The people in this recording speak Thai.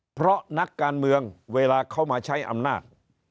เพราะนักการเมืองเวลาเขามาใช้อำนาจ